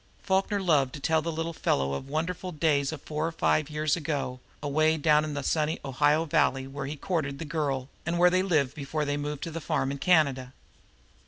Falkner loved to tell the little fellow of the wonderful days of four or five years ago away down in the sunny Ohio valley where he had courted the Girl and where they lived before they moved to the farm in Canada.